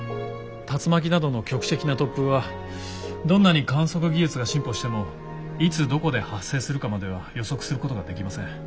竜巻などの局地的な突風はどんなに観測技術が進歩してもいつどこで発生するかまでは予測することができません。